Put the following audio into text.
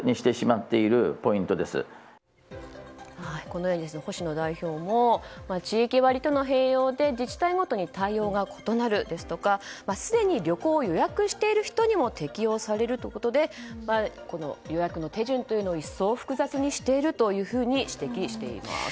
このように星野代表も地域割りとの併用で自治体ごとに対応が異なるですとかすでに旅行を予約している人にも適用されるということで予約の手順というのを一層複雑にしていると指摘しています。